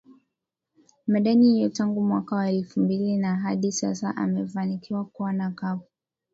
medani hiyo tangu mwaka wa elfu mbili na hadi sasa amefanikiwa kuwa na kapu